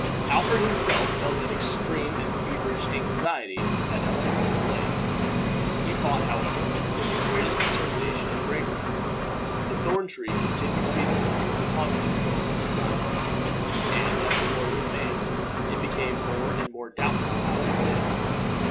Alfred himself felt an extreme and feverish anxiety at Ethelred's delay. He fought, however, with the greatest determination and bravery. The thorn tree continued to be the center of the conflict for a long time, and, as the morning advanced, it became more and more doubtful how it would end.